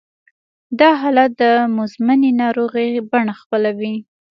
دا حالت د مزمنې ناروغۍ بڼه خپلوي